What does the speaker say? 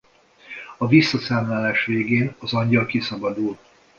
A visszaszámlálás végén az angyal kiszabadul.